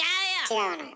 違うのよ。